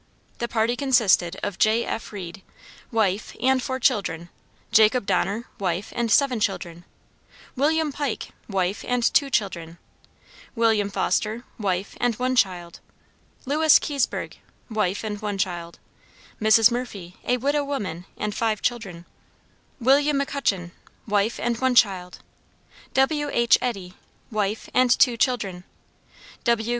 The party consisted of J. F. Reed, wife, and four children; Jacob Donner, wife, and seven children; William Pike, wife, and two children; William Foster, wife, and one child; Lewis Kiesburg; wife, and one child; Mrs. Murphy, a widow woman, and five children; William McCutcheon, wife, and one child; W. H. Eddy, wife, and two children; W.